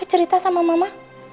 cerita sama mama